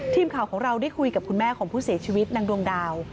ทีมข่าวของเราได้คุยกับคุณแม่ของผู้เสียชีวิตนางดวงดาว